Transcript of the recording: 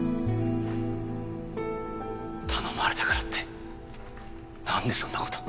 頼まれたからってなんでそんなこと。